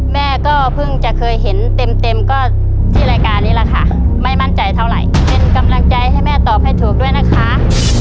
แม่ก็เพิ่งจะเคยเห็นเต็มก็ที่รายการนี้แหละค่ะไม่มั่นใจเท่าไหร่เป็นกำลังใจให้แม่ตอบให้ถูกด้วยนะคะ